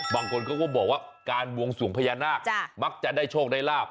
บางคนเขาก็บอกว่าการบวงสวงพญานาคมักจะได้โชคได้ลาบ